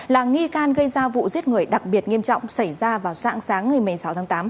là nghi can gây ra vụ giết người đặc biệt nghiêm trọng xảy ra vào sáng sáng ngày một mươi sáu tháng tám